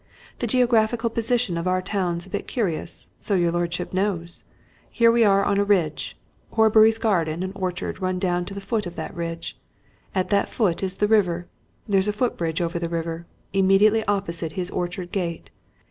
The geographical position of our town's a bit curious, so your lordship knows. Here we are on a ridge. Horbury's garden and orchard run down to the foot of that ridge. At that foot is the river. There's a foot bridge over the river, immediately opposite his orchard gate.